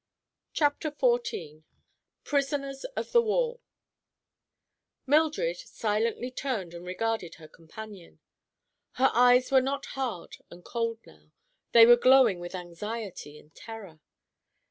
CHAPTER XIV—PRISONERS OF THE WALL Mildred silently turned and regarded her companion. Her eyes were not hard and cold now. They were glowing with anxiety and terror.